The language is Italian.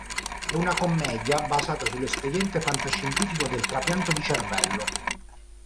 È una commedia basata sull'espediente fantascientifico del trapianto di cervello.